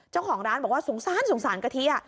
เจ้าของร้านบอกว่าสงสารสงสารกะทิ